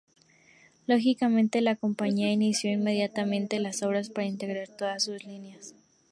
Lógicamente la compañía inició inmediatamente las obras para integrar todas sus líneas.